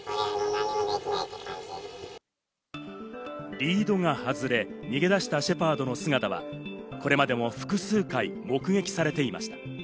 リードが外れ、逃げ出したシェパードの姿はこれまでも複数回目撃されていました。